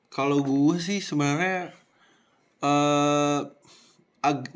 kalau gue sih sebenarnya